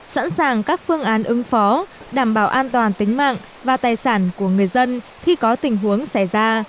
sẵn sàng các phương án ứng phó đảm bảo an toàn tính mạng và tài sản của người dân khi có tình huống xảy ra